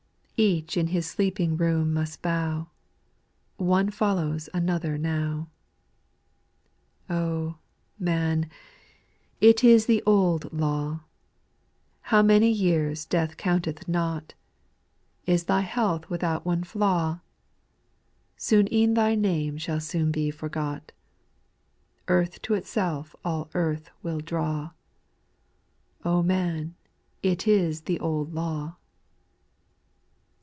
Each in his sleeping room must bow ; One follows another now I 4. Oh, man I it is the old law ;— Uow many years death counteth not. SPIRITUAL SONGS. 157 Is thy health without one flaw ? Soon e'en thy name shall be forgot. Earth to itself all earth will draw. Oh, man ! it is the old law